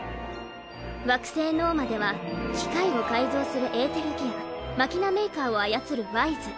惑星ノーマでは機械を改造するエーテルギアマキナ・メイカーを操るワイズ。